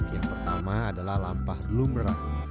yang pertama adalah lampah lumrah